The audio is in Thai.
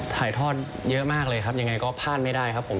ถ่ายทอดเยอะมากเลยครับยังไงก็พลาดไม่ได้ครับผม